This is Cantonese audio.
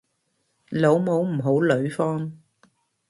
老母唔好呂方